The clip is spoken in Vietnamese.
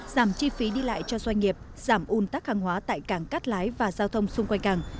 giảm chi phí đi lại cho doanh nghiệp giảm un tắc hàng hóa tại cảng cát lái và giao thông xung quanh cảng